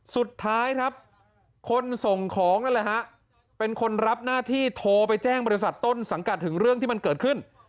สุดท้ายครับคนส่งของนั่นแหละฮะเป็นคนรับหน้าที่โทรไปแจ้งบริษัทต้นสังกัดถึงเรื่องที่มันเกิดขึ้น